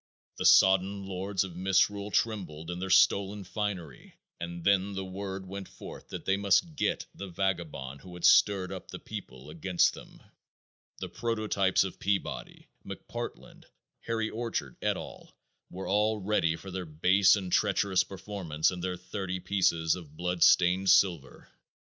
The sodden lords of misrule trembled in their stolen finery, and then the word went forth that they must "get" the vagabond who had stirred up the people against them. The prototypes of Peabody, McPartland, Harry Orchard, et. al., were all ready for their base and treacherous performance and their thirty pieces of blood stained silver.